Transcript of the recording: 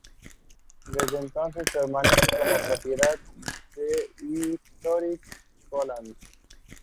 The Act did not extend to Northern Ireland.